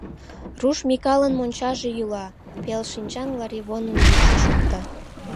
— Руш Микалын мончаже йӱла, — пел шинчан Ларивонын йӱкшӧ шокта.